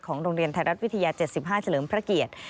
โรงเรียนไทยรัฐวิทยา๗๕เฉลิมพระเกียรติ